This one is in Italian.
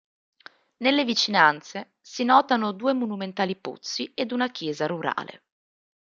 Nelle vicinanze si notano due monumentali pozzi ed una chiesa rurale.